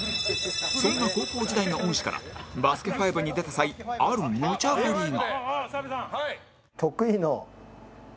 そんな高校時代の恩師から『バスケ ☆ＦＩＶＥ』に出た際あるムチャ振りが